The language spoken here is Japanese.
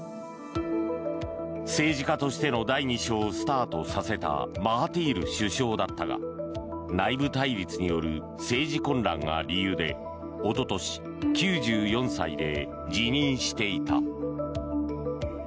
政治家としての第２章をスタートさせたマハティール首相だったが内部対立による政治混乱が理由でおととし９４歳で辞任していた。